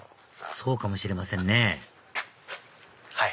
そうかもしれませんねハイ！